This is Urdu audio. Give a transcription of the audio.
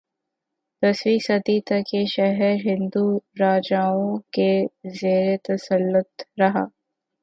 دسویں صدی تک یہ شہر ہندو راجائوں کے زیرتسلط رہا